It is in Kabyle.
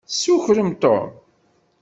Tessukrem Tom.